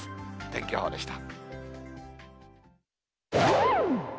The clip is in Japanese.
天気予報でした。